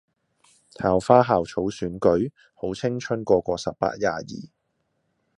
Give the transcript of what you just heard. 校花校草選舉？好青春個個十八廿二